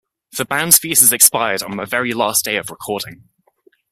The band's visas expired on the very last day of recording.